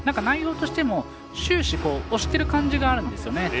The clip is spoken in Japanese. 内容としても、終始押してる感じがあるんですね。